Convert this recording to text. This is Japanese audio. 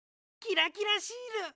キラキラシール！